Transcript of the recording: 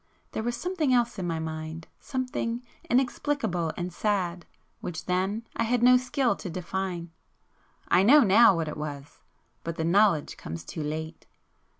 There was something else in my mind,—something inexplicable and sad,—which then I had no skill to define. I know now what it was,—but the knowledge comes too late!